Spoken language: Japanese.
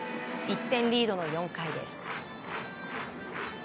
１点リードの４回です。